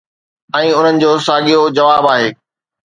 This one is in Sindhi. ۽ انهن جو ساڳيو جواب آهي